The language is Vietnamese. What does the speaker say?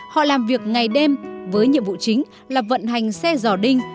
họ làm việc ngày đêm với nhiệm vụ chính là vận hành xe giò đinh